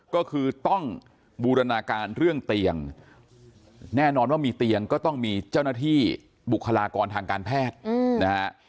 ก็คือต้องบูรณาการเรื่องเตียงแน่นอนว่ามีเตียงก็ต้องมีเจ้าหน้าที่บุคลากรทางการแพทย์นะฮะ